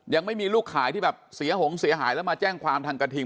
ยังไม่มีลูกขายที่แบบเสียหงเสียหายแล้วมาแจ้งความทางกระทิง